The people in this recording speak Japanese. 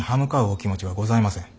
お気持ちはございません。